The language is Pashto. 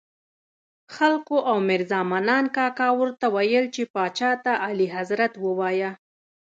خلکو او میرزا منان کاکا ورته ویل چې پاچا ته اعلیحضرت ووایه.